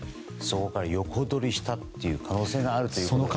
横取りしたという可能性があるということですね。